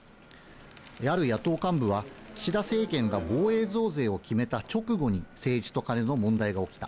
ある野党幹部は、岸田政権が防衛増税を決めた直後に、政治とカネの問題が起きた。